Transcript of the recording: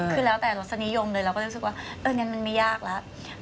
คือแล้วแต่รสนิยมเลยเราก็จะรู้สึกว่าเอองั้นมันไม่ยากแล้ว